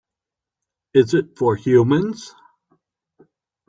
Is it for humans?